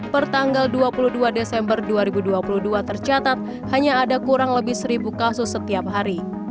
pertanggal dua puluh dua desember dua ribu dua puluh dua tercatat hanya ada kurang lebih seribu kasus setiap hari